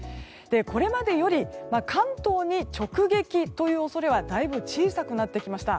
これまでより関東に直撃という恐れはだいぶ小さくなってきました。